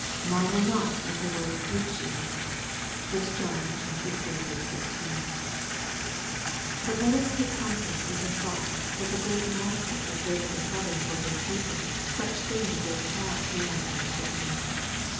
" Marvel not if the world hate you." (1 John iii. 13.) But let us take comfort in the thought that the great Master has laid up in heaven for His people such things as pass man's understanding.